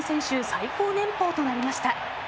最高年俸となりました。